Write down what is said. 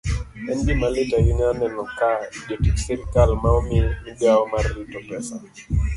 En gima lit ahinya neno ka jotich sirkal ma omi migawo mar rito pesa